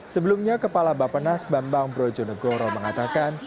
sebelumnya kepala bapak nas bambang brojonegoro mengatakan